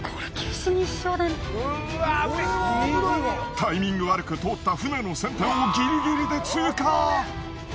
タイミング悪く通った船の先端をギリギリで通過。